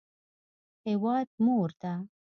هیواد مور ده